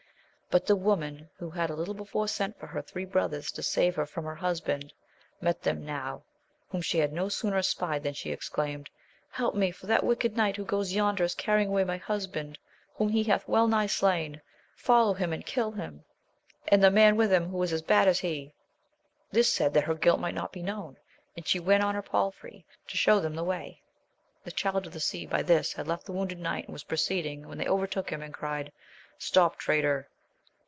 But the woman, who had a little before sent for her three brothers to save her from her husband, met them now, whom shehadno sooner espied, than she exclaimed, Help me ! for that wicked knight, who goes yonder, is carrying away my husband, whom he hath well nigh slain. Follow him, and kill him, and the man with him, who is as bad as he. This she said that her guilt might not be known, and she went on her palfrey to AMADIS OF GAUL. 35 shew them the way. The Child of the Sea by this had left the wounded knight and was proceeding, when they overtook him, and cried, Stop, traitor